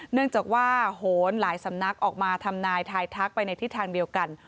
เนื่องจากว่าโหนหลายสำนักออกมาทำนายทายทักไปในทิศทางเดียวกัน